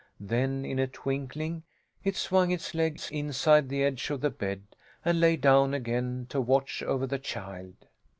Then, in a twinkling, it swung its legs inside the edge of the bed and lay down again, to watch over the child.